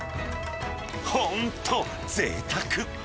本当、ぜいたく。